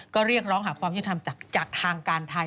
ก็เรียกร้องหาความยุทธรรมจากทางการไทย